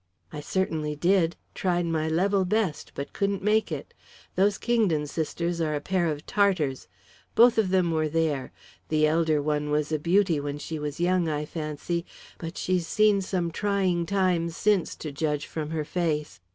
"I certainly did tried my level best, but couldn't make it. Those Kingdon sisters are a pair of Tartars. Both of them were there. The elder one was a beauty when she was young, I fancy, but she's seen some trying times since, to judge from her face.